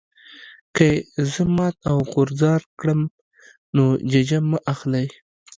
که یې زه مات او غوځار کړم نو ججه مه اخلئ.